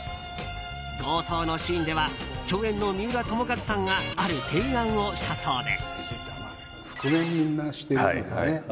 強盗のシーンでは共演の三浦友和さんがある提案をしたそうで。